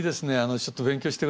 ちょっと勉強して下さい。